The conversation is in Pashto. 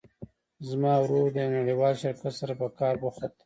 زما ورور د یو نړیوال شرکت سره په کار بوخت ده